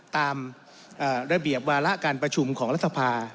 ตามระเบียบวาระการประชุมของรัฐสภา